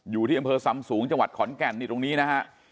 อยู่ที่อำเภอซำสูงจังหวัดขอนแก่นนี่ตรงนี้นะฮะ